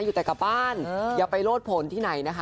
อยู่แต่กลับบ้านอย่าไปโลดผลที่ไหนนะคะ